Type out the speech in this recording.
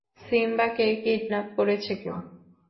সিম্বাকে kidnap করেছে কেউ।